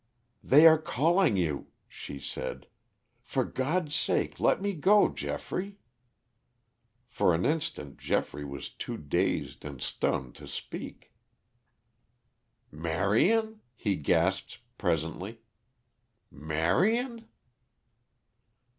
"They are calling you," she said; "for God's sake let me go, Geoffrey." For an instant Geoffrey was too dazed and stunned to speak. "Marion?" he gasped presently. "Marion?"